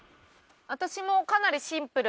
私もうかなりシンプル。